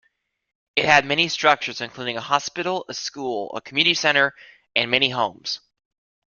It had many structures, including a hospital, a school, community center, and many homes.